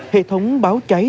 hệ thống báo cháy